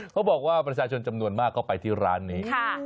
เขาบอกว่าประชาชนจำนวนมากก็ไปที่ร้านนี้